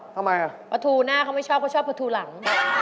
ทำไมอ่ะปลาทูหน้าเขาไม่ชอบเขาชอบปลาทูหลัง